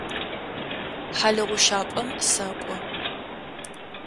Хьалыгъущапӏэм сэкӏо.